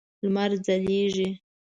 لمر ځلیږی